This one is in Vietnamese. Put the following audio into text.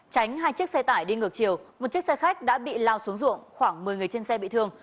tránh hai chiếc xe tải đi ngược chiều một chiếc xe khách đã bị lao xuống ruộng khoảng một mươi người trên xe bị thương